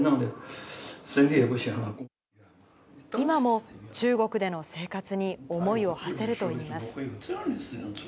今も中国での生活に思いをはせるといいます。